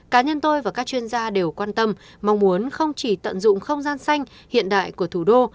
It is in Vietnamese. cá nhân tôi và các chuyên gia đều quan tâm mong muốn không chỉ tận dụng không gian xanh hiện đại của thủ đô